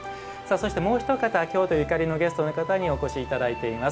そしてもう一方京都ゆかりのゲストの方にお越しいただいています。